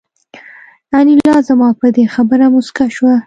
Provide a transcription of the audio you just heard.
انیلا زما په دې خبره موسکه شوه